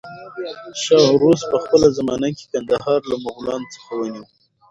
شاه عباس په خپله زمانه کې کندهار له مغلانو څخه ونيو.